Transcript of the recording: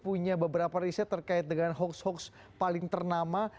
punya beberapa riset terkait dengan hoax hoax paling ternama